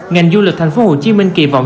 ngành du lịch tp hcm kỳ vọng